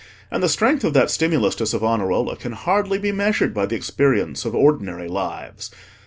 And the strength of that stimulus to Savonarola can hardly be measured by the experience of ordinary lives.